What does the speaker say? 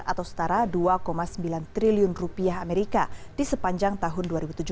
atau setara dua sembilan triliun rupiah amerika di sepanjang tahun dua ribu tujuh belas